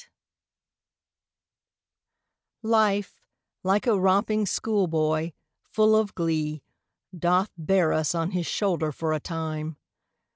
LIFE Life, like a romping schoolboy, full of glee, Doth bear us on his shoulder for a time.